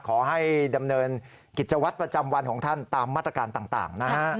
ขอให้ดำเนินกิจวัตรประจำวันของท่านตามมาตรการต่างนะฮะ